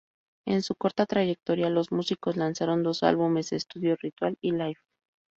En su corta trayectoria, los músicos lanzaron dos álbumes de estudio: "Ritual" y "Life.